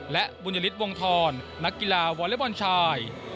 และบุญยฤทธิวงธรนักกีฬาวอเล็กบอลชาย